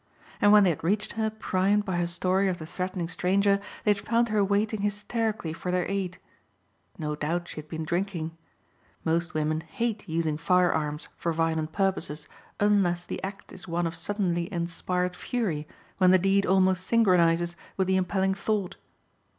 And when they had reached her primed by her story of the threatening stranger they had found her waiting hysterically for their aid. No doubt she had been drinking. Most women hate using firearms for violent purposes unless the act is one of suddenly inspired fury when the deed almost synchronizes with the impelling thought.